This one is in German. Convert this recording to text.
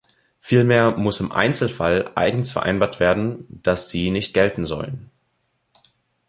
Vielmehr muss im Einzelfall eigens vereinbart werden, dass sie nicht gelten sollen.